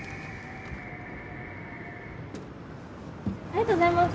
ありがとうございます。